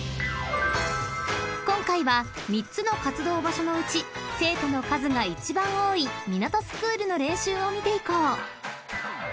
［今回は３つの活動場所のうち生徒の数が一番多い港スクールの練習を見ていこう］